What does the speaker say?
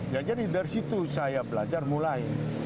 ya jadi dari situ saya belajar mulai